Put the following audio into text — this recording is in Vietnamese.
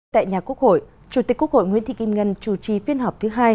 tại nhà quốc hội chủ tịch quốc hội nguyễn thị kim ngân chủ trì phiên họp thứ hai